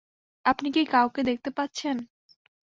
আপনি কি কাউকে দেখতে পাচ্ছেন?